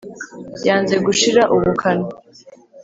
Yanze gushira ubukana